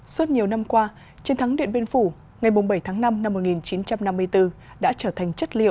suốt nhiều năm qua chiến thắng điện biên phủ ngày bảy tháng năm năm một nghìn chín trăm năm mươi bốn đã trở thành chất liệu